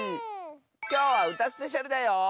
きょうは「うたスペシャル」だよ！